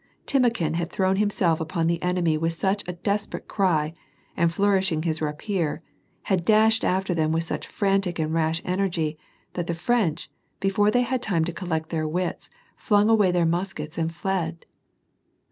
Timokhin had thrown himself upon the enemy with such a desperate ctv, and flourishing his rapier, had dashed after them with such frantic and rash energy, that the French, before they had time to col lect their wits, flung away their muskets and fled.